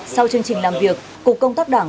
sau chương trình làm việc cục công tác đảng